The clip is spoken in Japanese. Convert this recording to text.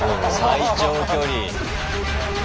最長距離！